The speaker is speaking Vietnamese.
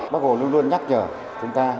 bác hồ luôn luôn nhắc nhở chúng ta